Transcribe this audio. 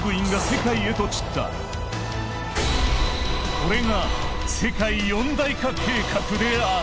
これが「世界四大化計画」である。